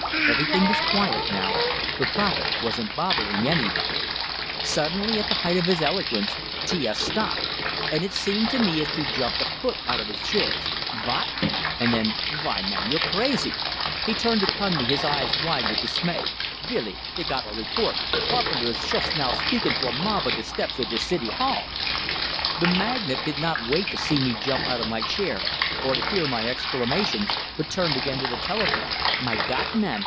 Everything was quiet now, the prophet wasn't bothering anybody Suddenly, at the height of his eloquence, T S stopped; and it seemed to me as if he jumped a foot out of his chair. "VOT!" And then, "Vy man, you're crazy!" He turned upon me, his eyes wide with dismay. "Billy! Dey got a report Carpenter is shoost now speakin' to a mob on de steps of de City Hall!" The magnate did not wait to see me jump out of my chair or to hear my exclamations, but turned again to the telephone. "My Gawd, man!